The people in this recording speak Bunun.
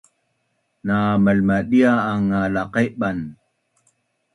Na mailmadia a na laqaiban?